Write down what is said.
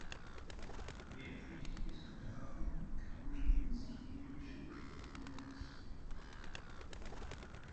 Wehrpflichtige Soldaten kamen in sibirische Gulags.